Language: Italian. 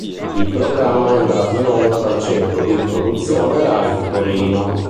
Il programma è andato in onda dal Centro di produzione Rai di Torino.